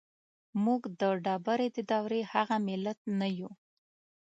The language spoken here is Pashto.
موږ د ډبرې د دورې هغه ملت نه يو.